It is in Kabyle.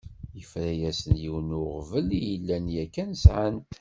Yefra-asen yiwen n uɣbel i llan yakan sεan-t.